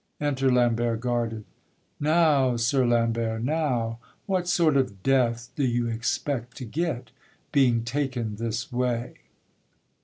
Enter Lambert guarded. Now, Sir Lambert, now! What sort of death do you expect to get, Being taken this way?